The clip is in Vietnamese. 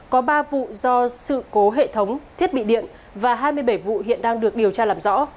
có ba vụ do sự cố hệ thống thiết bị điện và hai mươi bảy vụ hiện đang được điều tra làm rõ